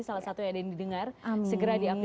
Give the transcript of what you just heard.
salah satu yang ada yang didengar segera di aplikasi